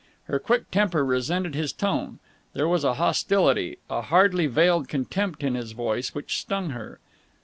Her quick temper resented his tone. There was a hostility, a hardly veiled contempt in his voice which stung her.